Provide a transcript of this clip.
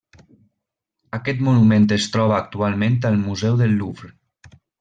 Aquest monument es troba actualment al Museu del Louvre.